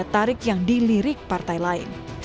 dan menarik yang dilirik partai lain